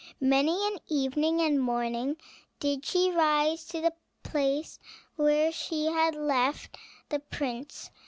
Many an evening and morning did she rise to the place where she had left the prince.